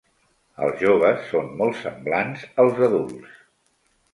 Els joves són molt semblants als adults.